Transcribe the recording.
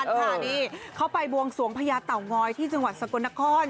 อันนี้เข้าไปบวงสวงพญาต่ำง้อยที่จังหวัดสกนฯคลณ์นะคล่อน